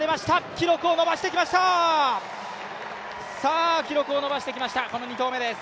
記録を伸ばしてきました、この２投目です。